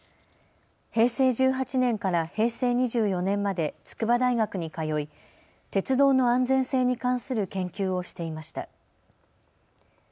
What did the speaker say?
平成１８年から平成２４年まで筑波大学に通い鉄道の安全性に関する研究をしていました。